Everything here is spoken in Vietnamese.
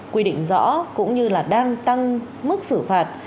quy định rõ cũng như là đang tăng mức xử phạt